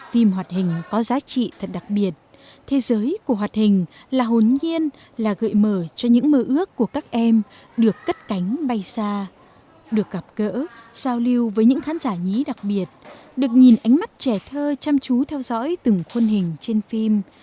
phim hoạt hình có giá trị thật đặc biệt thế giới của hoạt hình là hồn nhiên là gợi mở cho những mơ ước của các em được cất cánh bay xa được gặp gỡ giao lưu với những khán giả nhí đặc biệt được nhìn ánh mắt trẻ thơ chăm chú theo dõi từng khuôn hình trên phim